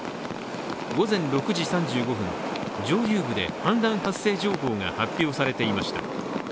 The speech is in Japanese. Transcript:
午前６時３５分、上流部で氾濫発生情報が発表されていました。